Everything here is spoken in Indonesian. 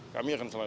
kami akan selalu